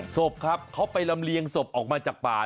ศพครับเขาไปลำเลียงศพออกมาจากป่า